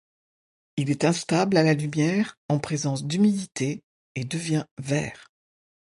Il est instable à la lumière en présence d'humidité et devient vert.